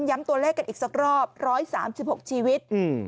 ย้ำตัวเลขกันอีกสักรอบร้อยสามสิบหกชีวิตอืม